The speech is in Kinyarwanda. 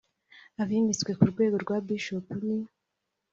Abimitswe ku rwego rwa Bishop ni